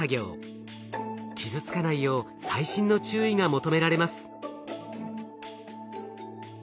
傷つかないよう細心の注意が求められます。